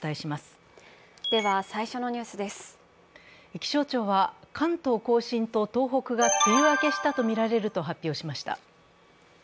気象庁は関東甲信と東北が梅雨明けしたとみられると発表しました。